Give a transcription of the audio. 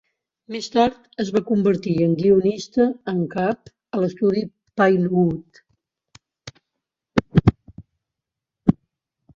Més tard es va convertir en guionista en cap a l'estudi Pinewood.